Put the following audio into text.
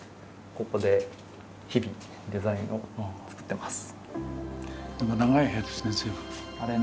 ここで日々デザインを作ってます。